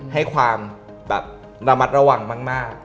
ให้ความแบบระมัดระวังมาก